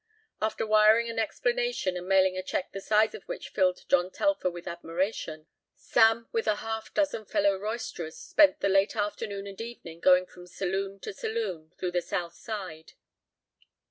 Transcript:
After wiring an explanation and mailing a check the size of which filled John Telfer with admiration, Sam with a half dozen fellow roisterers spent the late afternoon and evening going from saloon to saloon through the south side.